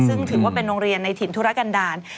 ซึ่งถือว่าเป็นโรงเรียนในถิ่นธุรกันดาล